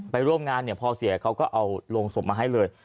ไปร่วมงานพอเสียเขาก็เอาลงศพมาให้เลย